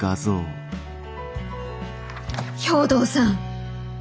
兵藤さん！